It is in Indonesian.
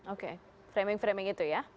oke framing framing itu ya